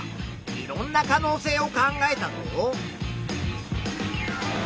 いろんな可能性を考えたぞ。